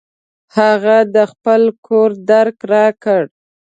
هغه د خپل کور درک راکړ.